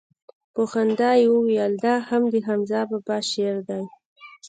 په خندا يې وويل دا هم دحمزه بابا شعر دىه.